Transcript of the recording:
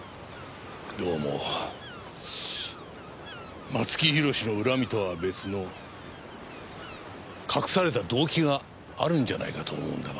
どうも松木弘の恨みとは別の隠された動機があるんじゃないかと思うんだが。